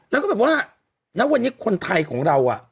แล้วก็แบบว่าณวันนี้คนไทยของเรา